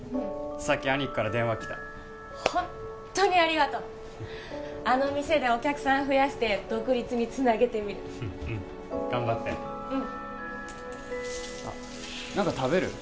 さっきアニクから電話来たホンットにありがとうあの店でお客さん増やして独立につなげてみるうん頑張ってうんあっ何か食べる？